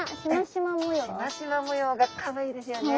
しましま模様がかわいいですよね。